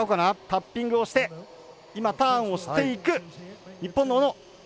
タッピングをして今、ターンをしていく日本の小野。